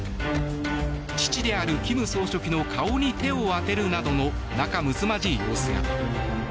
父である金総書記の顔に手を当てるなどの仲むつまじい様子が。